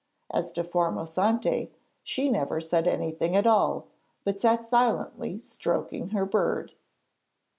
As to Formosante, she never said anything at all, but sat silently stroking her bird.